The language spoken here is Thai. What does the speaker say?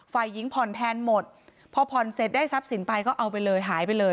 ฝ่ายหญิงผ่อนแทนหมดพอผ่อนเสร็จได้ทรัพย์สินไปก็เอาไปเลยหายไปเลย